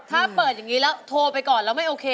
ถ้าเปิดอย่างนี้แล้วโทรไปก่อนแล้วไม่โอเค